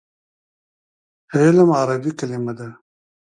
علم عربي کلمه ده.